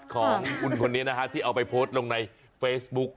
ของคุณคนนี้นะฮะที่เอาไปโพสต์ลงในเฟซบุ๊ก